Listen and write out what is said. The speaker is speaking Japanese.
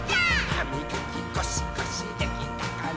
「はみがきゴシゴシできたかな？」